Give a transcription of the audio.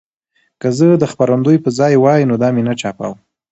که زه د خپرندوی په ځای وای نو دا مې نه چاپوه.